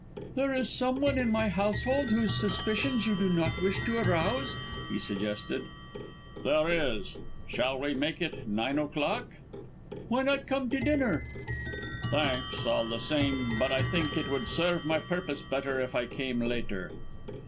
"There is someone in my household whose suspicions you do not wish to arouse?" he suggested. "There is. Shall we make it nine o'clock?" "Why not come to dinner?" "Thanks all the same, but I think it would serve my purpose better if I came later."